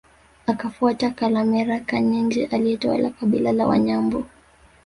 Akafuata Kalemera Kanyenje aliyetawala kabila la Wanyambo